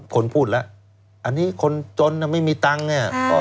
คนพูดแล้วอันนี้คนจนไม่มีตังค์เนี่ย